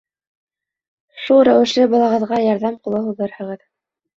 Шул рәүешле балағыҙға ярҙам ҡулы һуҙырһығыҙ.